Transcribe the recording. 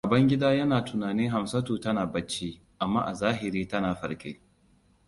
Babangida yana tunanin Hamsatu tana bacci, amma a zahiri tana farke.